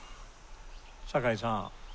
堺さん。